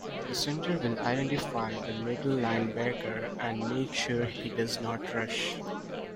The center will identify the middle linebacker and make sure he does not rush.